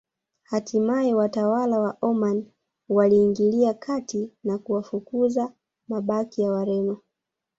Hatimae watawala wa Omani waliingilia kati na kuwafukuza mabaki ya Wareno